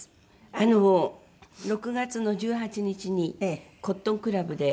あの６月の１８日にコットンクラブで「ジャズナイト」。